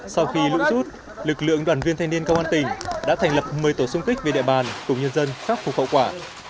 sau khi lũ rút lực lượng đoàn viên thanh niên công an tỉnh đã thành lập một mươi tổ xung kích về địa bàn cùng nhân dân khắc phục hậu quả